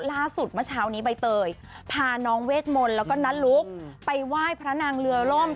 เมื่อเช้านี้ใบเตยพาน้องเวทมนต์แล้วก็น้าลุกไปไหว้พระนางเรือล่ม